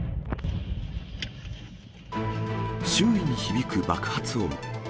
周囲に響く爆発音。